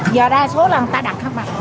giờ đa số là người ta đặt không ạ